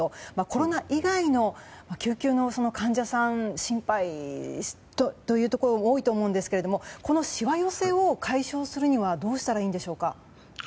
コロナ以外の救急の患者さん心配というところも多いと思うんですがこのしわ寄せを解消するにはどうしたらいいんでしょうか？